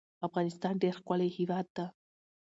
افغانستان ډیر ښکلی هیواد ده